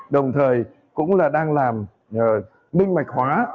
đồng thời cũng là đang làm minh mạch hóa